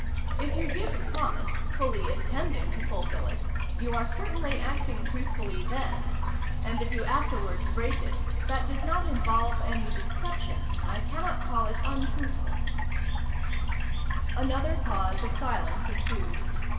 If you give a promise, fully intending to fulfil it, you are certainly acting truthfully then; and, if you afterwards break it, that does not involve any deception. I cannot call it untruthful" Another pause of silence ensued.